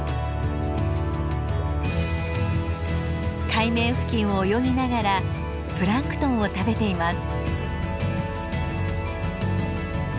海面付近を泳ぎながらプランクトンを食べています。